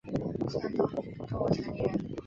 山东平度城里人。